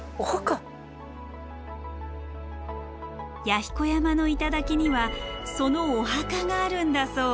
弥彦山の頂にはそのお墓があるんだそう。